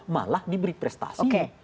malah diberi prestasi